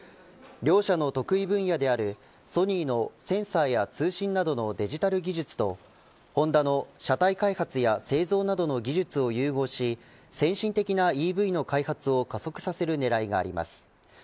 両社の得意分野であるソニーのセンサーや通信などのデジタル技術とホンダの車体開発や製造などの技術を融合し先進的なＥＶの開発を加速させる狙いがあります。